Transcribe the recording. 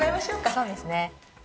そうですね。